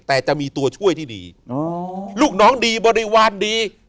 แต่จะมีตัวช่วยที่ดีลูกน้องดีบริวารดี